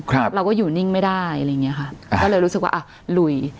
เราก็อยู่นิ่งไม่ได้อะไรอย่างเงี้ยค่ะก็เลยรู้สึกว่าอ่ะลุย